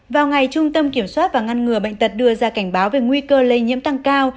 vào ngày trung tâm kiểm soát và ngăn ngừa bệnh tật đưa ra cảnh báo về nguy cơ lây nhiễm tăng cao